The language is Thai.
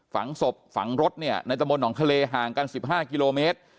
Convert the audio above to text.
ฝังศพฝังรถเนี่ยในตะบนหนองทะเลห่างกัน๑๕กิโลเมตร